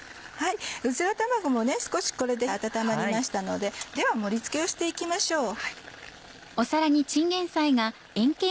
うずら卵も少しこれで温まりましたので盛り付けをして行きましょう。